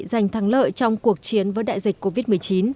giành thắng lợi trong cuộc chiến với đại dịch covid một mươi chín